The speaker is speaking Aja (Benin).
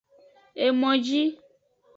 Emoji.